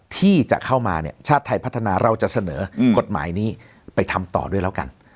ที่จะเข้ามาเนี่ยชาติไทยพัฒนาเราจะเสนอกฎหมายนี้ไปทำต่อด้วยแล้วกัน